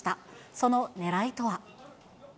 そのねらいとは。